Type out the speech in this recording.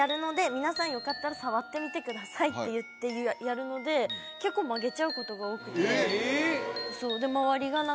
「皆さんよかったら触ってみてください」って言ってやるので結構曲げちゃうことが多くてえっ？